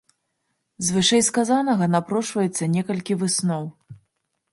З вышэйсказанага напрошваецца некалькі высноў.